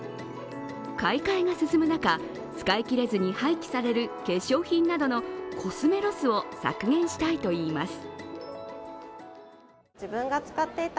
買い替えが進む中、使い切れずに廃棄される化粧品などのコスメロスを削減したいといいます。